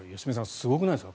すごくないですか？